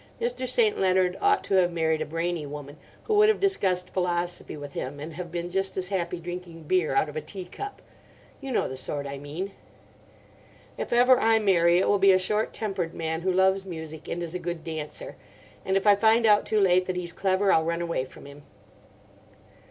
Mr. St. Leonard ought to have married a brainy woman, who would have discussed philosophy with him, and have been just as happy drinking beer out of a tea cup: you know the sort I mean. If ever I marry it will be a short tempered man who loves music and is a good dancer; and if I find out too late that he's clever I'll run away from him.